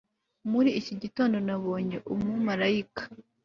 Muri iki gitondo nabonye umumarayika